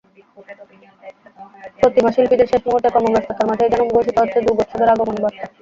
প্রতিমাশিল্পীদের শেষ মুহূর্তের কর্মব্যস্ততার মাঝেই যেন ঘোষিত হচ্ছে দুর্গোৎসবের আগমনী বার্তা।